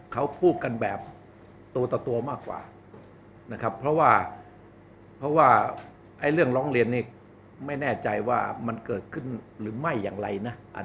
เขาพูดกันแบบตัวต่อตัวมากกว่านะครับเพราะว่าเพราะว่าเรื่องร้องเรียนนี้ไม่แน่ใจว่ามันเกิดขึ้นหรือไม่อย่างไรนะ